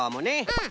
うん。